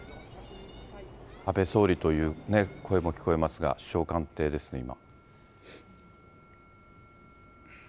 安倍総理という声も聞こえますけれども、首相官邸です、今。